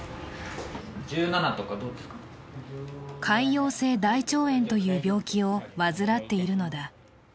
潰瘍性大腸炎という病気を患っているのだ。